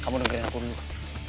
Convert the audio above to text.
kamu dengerin aku dulu